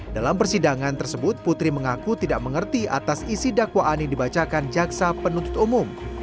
dalam persidangan tersebut putri mengaku tidak mengerti atas isi dakwaan yang dibacakan jaksa penuntut umum